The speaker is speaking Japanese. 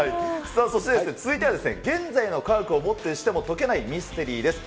さあ、そしてですね、続いては現在の科学をもってしても解けないミステリーです。